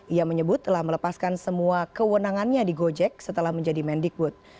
ia menyebut telah melepaskan semua kewenangannya di gojek setelah menjadi mendikbud